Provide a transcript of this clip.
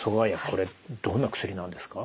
これどんな薬なんですか？